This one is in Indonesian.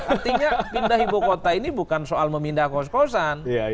artinya pindah ibu kota ini bukan soal memindah kos kosan